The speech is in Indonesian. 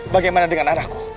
bagaimana dengan anakku